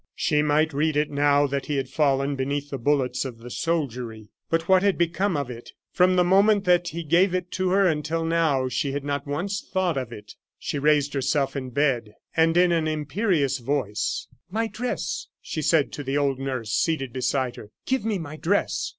She might read it now that he had fallen beneath the bullets of the soldiery. But what had become of it? From the moment that he gave it to her until now she had not once thought of it. She raised herself in bed, and in an imperious voice: "My dress," she said to the old nurse, seated beside her; "give me my dress."